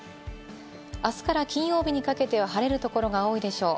あすから金曜日にかけては晴れるところが多いでしょう。